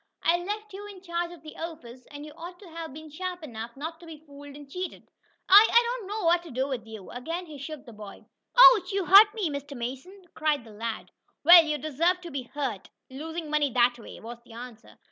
"I left you in charge of the office, and you ought to have been sharp enough not to be fooled and cheated. I I don't know what to do to you!" Again he shook the boy. "Ouch! You hurt, Mr. Mason!" cried the lad. "Well, you deserve to be hurt, losing money that way," was the answer.